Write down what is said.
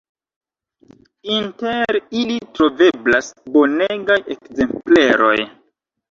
Inter ili troveblas bonegaj ekzempleroj.